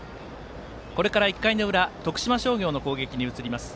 これから１回の裏徳島商業の攻撃に移ります。